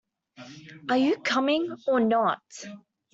Are you coming or not?